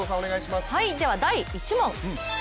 では第１問。